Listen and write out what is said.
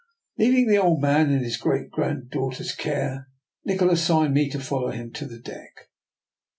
Leaving the old man in his great granddaughter's care, Nikola signed to me to follow him to the deck.